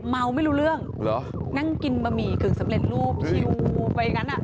เมาไม่รู้เรื่องนั่งกินบะหมี่คืนสำเร็จรูป